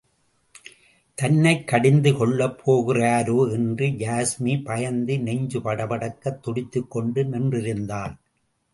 தன்னைக் கடிந்து கொள்ளப் போகிறாரே என்று யாஸ்மி பயந்து நெஞ்சு படபடக்கத் துடித்துக் கொண்டு நின்றிருந்தாள்.